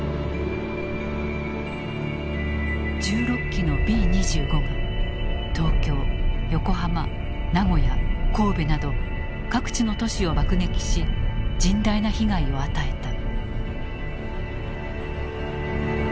１６機のＢ２５が東京横浜名古屋神戸など各地の都市を爆撃し甚大な被害を与えた。